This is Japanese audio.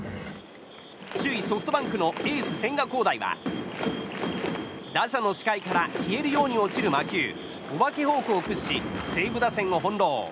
首位ソフトバンクのエース、千賀滉大は打者の視界から消えるように落ちる魔球お化けフォークを駆使し西武打線を翻ろう。